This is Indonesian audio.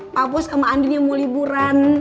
pak bos sama andi yang mau liburan